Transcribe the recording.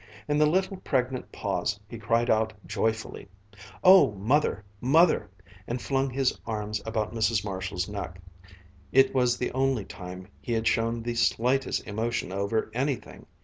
In the little, pregnant pause, he cried out joyfully, "Oh, Mother! Mother!" and flung his arms around Mrs. Marshall's neck. It was the only time he had shown the slightest emotion over anything.